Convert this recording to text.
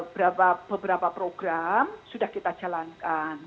beberapa program sudah kita jalankan